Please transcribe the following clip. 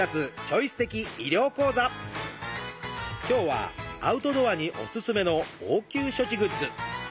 今日はアウトドアにおすすめの応急処置グッズ。